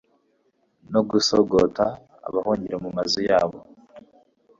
no gusogota abahungira mu mazu yabo